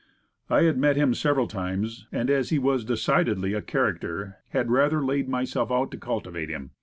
I had met him several times, and as he was decidedly a character, had rather laid myself out to cultivate him.